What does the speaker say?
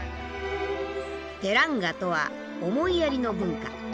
「テランガ」とは思いやりの文化。